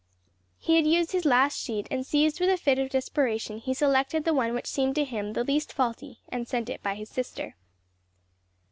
He had used his last sheet, and seized with a fit of desperation, he selected the one which seemed to him the least faulty and sent it by his sister.